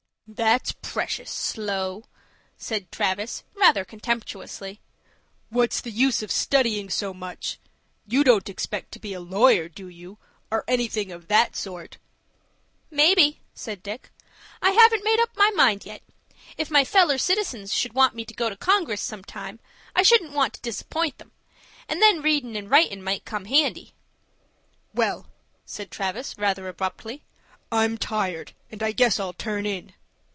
"That's precious slow," said Travis, rather contemptuously. "What's the use of studying so much? You don't expect to be a lawyer, do you, or anything of that sort?" "Maybe," said Dick. "I haven't made up my mind yet. If my feller citizens should want me to go to Congress some time, I shouldn't want to disapp'int 'em; and then readin' and writin' might come handy." "Well," said Travis, rather abruptly, "I'm tired and I guess I'll turn in."